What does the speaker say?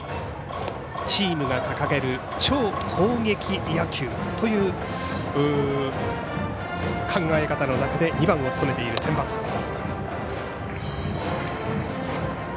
チームが掲げる超攻撃野球という考え方の中で２番を務めているセンバツ。